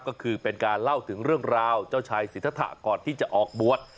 ก็คือเป็นการเล่าถึงเรื่องราวเจ้าชายสิทธะก่อนที่จะออกบวช